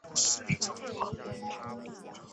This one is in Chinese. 栽培山黧豆是一种豆科植物。